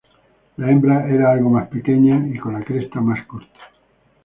La hembra era algo más pequeña y con la cresta más corta.